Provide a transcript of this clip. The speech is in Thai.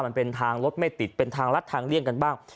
มันเป็นทางรถไม่ติดเป็นทางลัดทางเลี่ยงกันบ้าง